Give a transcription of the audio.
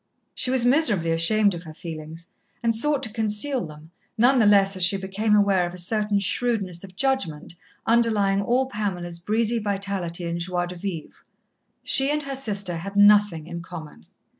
She was miserably ashamed of her feelings, and sought to conceal them, none the less as she became aware of a certain shrewdness of judgment underlying all Pamela's breezy vitality and joie de vivre. She and her sister had nothing in common.